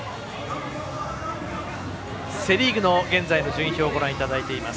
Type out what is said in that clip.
セ・リーグの現在の順位表をご覧いただいています。